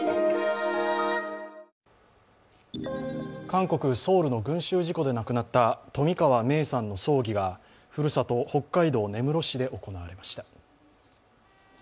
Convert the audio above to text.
韓国ソウルの群集事故で亡くなった冨川芽生さんの葬儀がふるさと・北海道根室市で行われました。